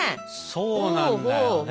そうなんだよね。